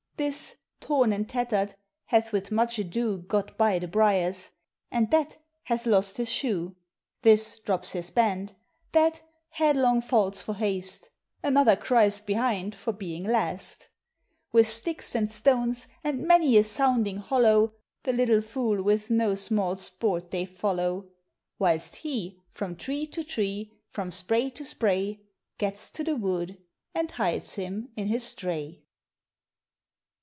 This, torn and tattered, hath \\ ith much ado (lot bv the briars; and thai hath losl his shoe This drops his band; l ha i headlong falls for baste; Another cries behind for being last : 158 POEMS OF NATURE. With sticks and stones, and many a sounding hol low, The little fool with no small sport they follow, Whilst he from tree to tree, from spray to spray, Gets to the wood, and hides him in his dray.